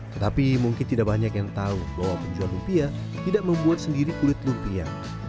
tetapi mungkin tidak banyak yang tahu bahwa penjual lumpia tidak membuat sendiri kulit lumpia